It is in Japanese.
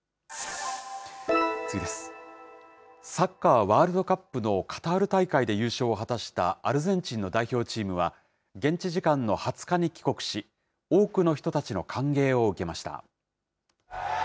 サッカーワールドカップのカタール大会で優勝を果たしたアルゼンチンの代表チームは、現地時間の２０日に帰国し、多くの人たちの歓迎を受けました。